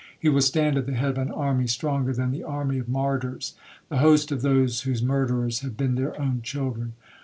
He will stand at the head of an army stronger than the army of martyrs,—the host of those whose murderers have been their own children.